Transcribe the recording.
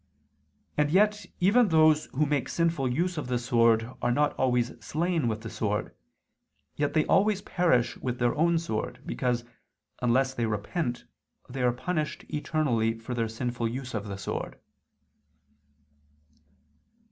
And yet even those who make sinful use of the sword are not always slain with the sword, yet they always perish with their own sword, because, unless they repent, they are punished eternally for their sinful use of the sword.